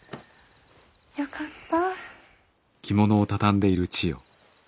よかった。